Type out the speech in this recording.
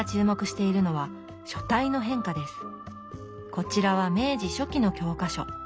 こちらは明治初期の教科書。